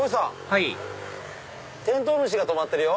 はいテントウムシが止まってるよ。